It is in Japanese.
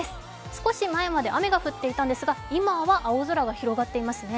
少し前まで雨が降っていたんですが今は青空が広がっていますね。